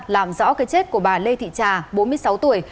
làm rõ cái chết của bà lê thị trà bốn mươi sáu tuổi